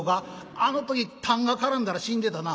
「あの時たんが絡んだら死んでたな」。